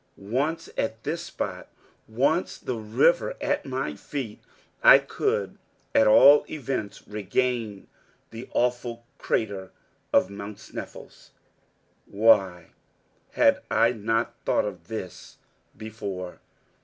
Once at this spot, once the river at my feet, I could, at all events, regain the awful crater of Mount Sneffels. Why had I not thought of this before?